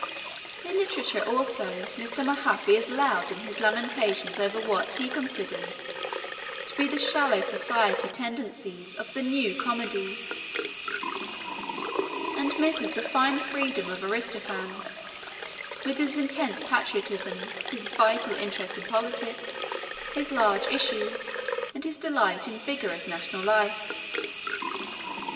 In literature, also, Mr. Mahaffy is loud in his lamentations over what he considers to be the shallow society tendencies of the new comedy, and misses the fine freedom of Aristophanes, with his intense patriotism, his vital interest in politics, his large issues and his delight in vigorous national life.